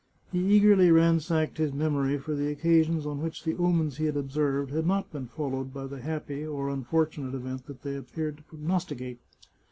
He eagerly ransacked his mem ory for the occasions on which the omens he had observed had not been followed by the happy or unfortunate event they had appeared to prognosticate.